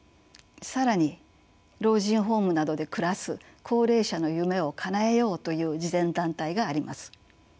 更に老人ホームなどで暮らす高齢者の夢をかなえようという慈善団体があります。